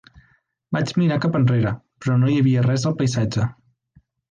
Vaig mirar cap enrere, però no hi havia res al paisatge.